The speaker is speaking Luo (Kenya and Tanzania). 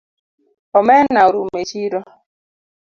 Omena orumo echiro